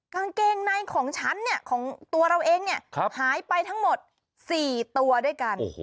กางเกงในของฉันเนี่ยของตัวเราเองหายไปทั้งหมด๔ตัวด้วยกัน